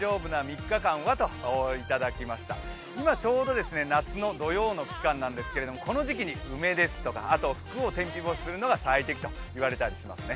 今ちょうど夏の土用の期間なんですけれどもこの時期に梅ですとか、服を天日干しするのがいいといわれています。